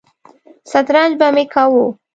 سترنج به مې کاوه.